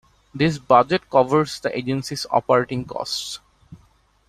This budget covers the Agency's operating costs.